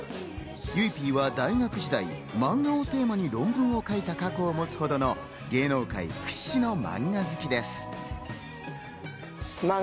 ゆいＰは大学時代、マンガをテーマに論文を書いた過去を持つほどの芸能界屈指のマンガ好きです。